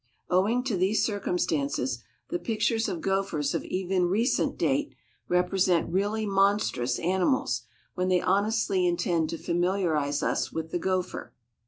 Owing to these circumstances, the pictures of gophers of even recent date represent really monstrous animals, when they honestly intend to familiarize us with the gopher.